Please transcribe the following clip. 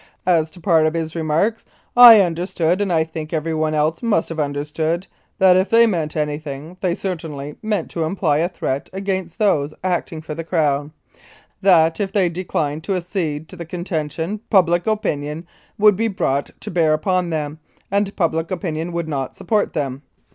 ... As to part of his remarks, I understood, and I think everyone else must have under stood, that if they meant anything they certainly meant to imply a threat against those acting for the Crown ; that if they declined to accede to the contention, public opinion would be brought to bear upon them, and public opinion would not support them.